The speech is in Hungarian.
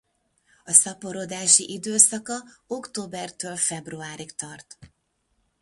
A szaporodási időszaka októbertól februárig tart.